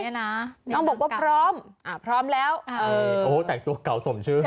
นี้นะน้องบอกว่าพร้อมอ่าพร้อมแล้วโอ้โหแตกตัวเก๋าสมชื่อ